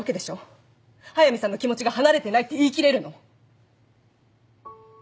速見さんの気持ちが離れてないって言い切れるの？